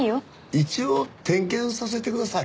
一応点検させてください。